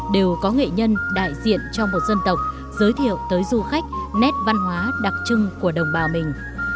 đều có nghệ nhân đại diện cho một dân tộc giới thiệu tới du khách nét văn hóa đặc trưng của đồng bào mình